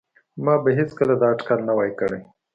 ما به هیڅکله دا اټکل نه وای کړی